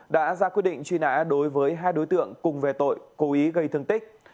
đã ra quyết định truy nã đối với hai đối tượng cùng về tội cố ý gây thương tích